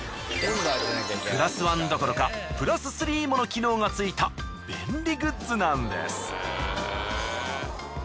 プラスワンどころかプラススリーもの機能がついた便利グッズなんです。